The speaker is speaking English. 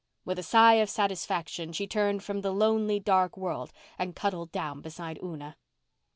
With a sigh of satisfaction, she turned from the lonely, dark world and cuddled down beside Una.